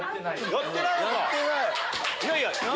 やってない。